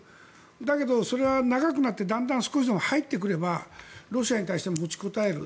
だけどそれは長くなってだんだん少しでも入ってくればロシアに対しても持ちこたえる。